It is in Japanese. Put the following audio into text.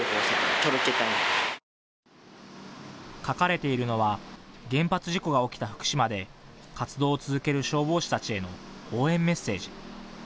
書かれているのは原発事故が起きた福島で活動を続ける消防士たちへの応援メッセージ。